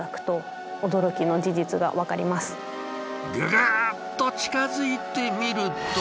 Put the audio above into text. ググッと近づいてみると。